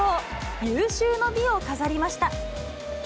有終の美を飾りました。